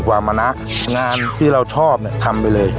ความมะนะงานที่เราชอบทำไปเลย